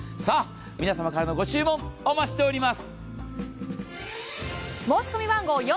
皆様からのご注文、お待ちしております。